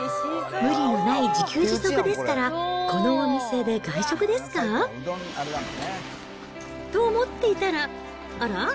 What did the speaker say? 無理のない自給自足ですから、このお店で外食ですか？と思っていたら、あら？